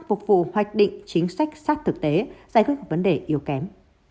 phục vụ hoạch định chính sách sát thực tế giải quyết vấn đề yếu kém